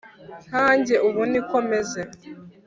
nkanjye ubu niko meze